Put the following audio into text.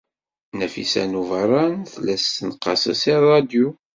Nafisa n Ubeṛṛan tella tessenqas-as i ṛṛadyu.